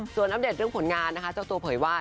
ส่วนอัปเดตเรื่องผลงานนะคะเจ้าตัวเผยว่า